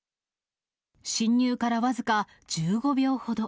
侵入から僅か１５秒ほど。